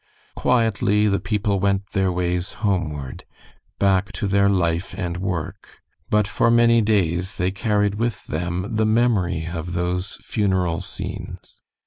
Quietly the people went their ways homeward, back to their life and work, but for many days they carried with them the memory of those funeral scenes.